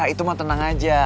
itu mah tenang aja